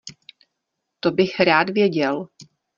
To bych rád věděl.